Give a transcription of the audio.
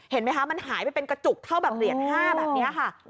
เห็นไหมคะมันหายไปเป็นกระจุกเท่าแบบเหรียญ๕แบบนี้ค่ะ